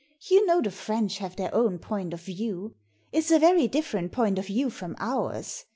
You know the French have their own point of view ; it's a very different point of view from ours.